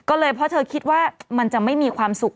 ก็เลยเพราะเธอคิดว่ามันจะไม่มีความสุข